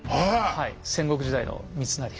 はい戦国時代の三成が。